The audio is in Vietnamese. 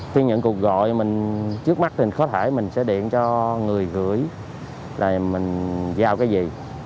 khi nhận cuộc gọi mình trước mắt thì có thể mình sẽ điện cho người gửi là mình vào cái gì